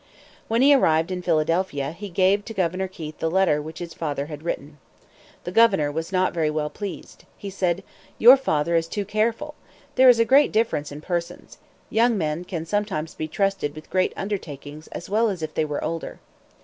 When he arrived in Philadelphia he gave to Governor Keith the letter which his father had written. The governor was not very well pleased. He said: "Your father is too careful. There is a great difference in persons. Young men can sometimes be trusted with great undertakings as well as if they were older."